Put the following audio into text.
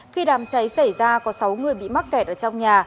khi đám cháy xảy ra có sáu người bị mắc kẹt ở trong nhà